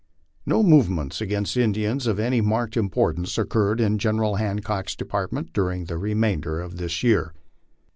No movements against Indians of any marked importance occurred in Gen eral Hancock's department during the remainder of this year.